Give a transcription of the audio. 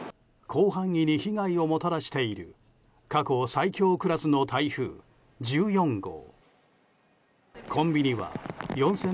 広範囲に被害をもたらしている過去最強クラスの台風１４号。